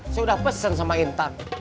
sudah pesen sama intan